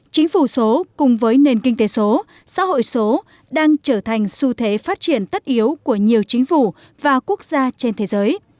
chính phủ số cùng với nền kinh tế số xã hội số đang trở thành xu thế phát triển tất yếu của nhiều chính phủ và quốc gia trên thế giới